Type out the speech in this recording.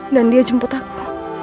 dan dia jemput aku